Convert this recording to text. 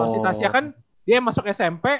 kalau si tasya kan dia yang masuk smp